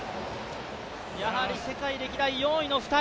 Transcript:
やはり世界歴代４位の２人。